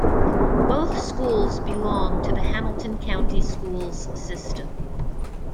Both schools belong to the Hamilton County Schools system.